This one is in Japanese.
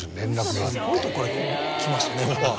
すごいところから来ましたねオファー。